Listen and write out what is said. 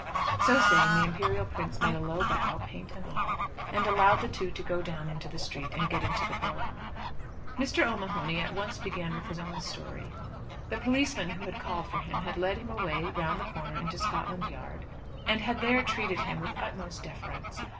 So saying the imperial prince made a low bow, paint and all, and allowed the two to go down into the street, and get into the brougham. Mr. O'Mahony at once began with his own story. The policeman who had called for him had led him away round the corner into Scotland Yard, and had there treated him with the utmost deference.